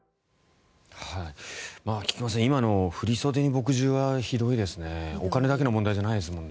菊間さん、今の振り袖に墨汁はひどいですよね。